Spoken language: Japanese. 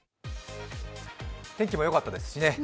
天気もよかったですしね。